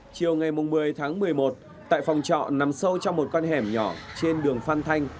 chiều ngày một mươi tháng một mươi một tại phòng trọ nằm sâu trong một con hẻm nhỏ trên đường phan thanh